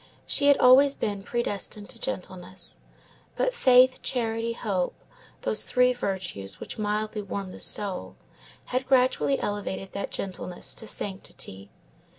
She had always been predestined to gentleness; but faith, charity, hope, those three virtues which mildly warm the soul, had gradually elevated that gentleness to sanctity.